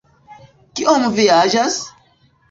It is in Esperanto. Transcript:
Kiom vi aĝas?